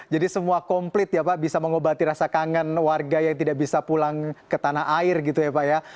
jadi semua komplit ya pak bisa mengobati rasa kangen warga yang tidak bisa pulang ke tanah air gitu ya pak ya